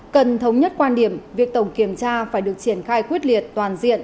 cần thống nhất quan điểm việc tổng kiểm tra phải được triển khai quyết liệt toàn diện